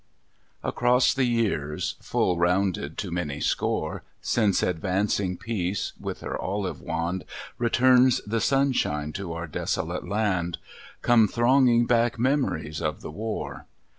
_ _"Across the years, full rounded to many score, Since advancing peace, with her olive wand, Returns the sunshine to our desolate land, Come thronging back memories of the war.